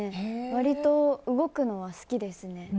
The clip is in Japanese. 割と動くのは好きですね。